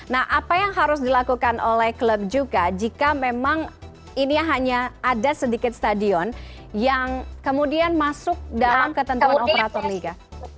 nah apa yang harus dilakukan oleh klub juga jika memang ini hanya ada sedikit stadion yang kemudian masuk dalam ketentuan operator liga